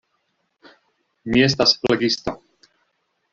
Mi estas flegisto.